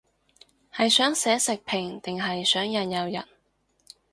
係想寫食評定係想引誘人